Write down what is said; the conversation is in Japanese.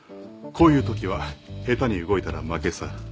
こういうときは下手に動いたら負けさ。